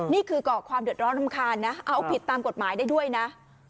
นี่คือก่อความเดือดร้อนรำคาญนะเอาผิดตามกฎหมายได้ด้วยนะ